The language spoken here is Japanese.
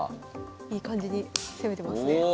いい感じに攻めてますね。